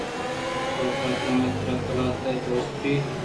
کاف درّائینت ترا قلات دوست بیت؟